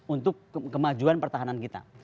untuk kemajuan pertahanan kita